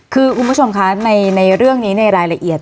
คือคุณผู้ชมคะในเรื่องนี้ในรายละเอียด